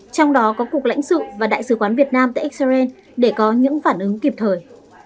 trong đó có cục lãnh sự và đại sứ quán việt nam tại israel để có những phản ứng kịp thời